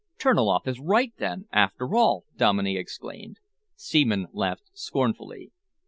"Terniloff is right, then, after all!" Dominey exclaimed. Seaman laughed scornfully.